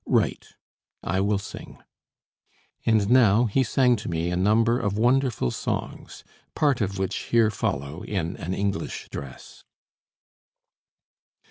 Write; I will sing!" And now he sang to me a number of wonderful songs, part of which here follow in an English dress.